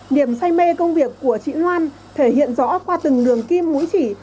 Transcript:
niềm say mê công việc của chị loan thể hiện rõ qua từng đường kim mũi chỉ